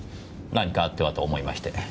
何かあってはと思いまして。